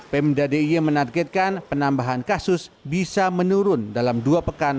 pemda d i e menargetkan penambahan kasus bisa menurun dalam dua pekan